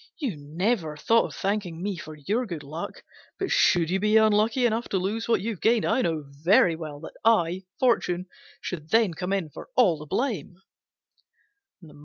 You never thought of thanking me for your good luck; but should you be unlucky enough to lose what you have gained I know very well that I, Fortune, should then come in for all the blame."